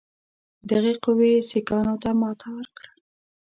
دغې قوې سیکهانو ته ماته ورکړه.